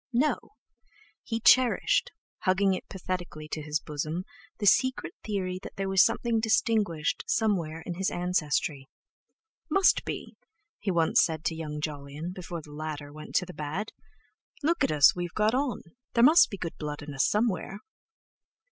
No! he cherished, hugging it pathetically to his bosom the secret theory that there was something distinguished somewhere in his ancestry. "Must be," he once said to young Jolyon, before the latter went to the bad. "Look at us, we've got on! There must be good blood in us somewhere."